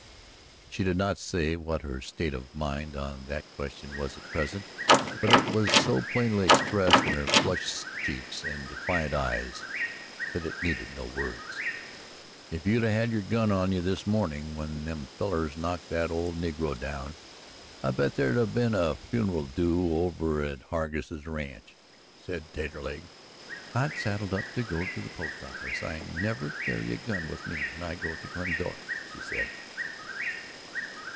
She did not say what her state of mind on that question was at present, but it was so plainly expressed in her flushed cheeks and defiant eyes that it needed no words. "If you'd 'a' had your gun on you this morning when them fellers knocked that old coon down I bet there'd 'a' been a funeral due over at old Hargus' ranch," said Taterleg. "I'd saddled up to go to the post office; I never carry a gun with me when I go to Glendora," she said.